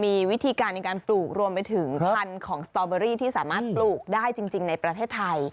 มีวิธีการในการปลูกรวมไปถึงพันธุ์ของสตอเบอรี่ที่สามารถปลูกได้จริงในประเทศไทย